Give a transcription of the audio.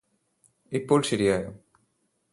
ഇപ്പോൾ ശരിയായോ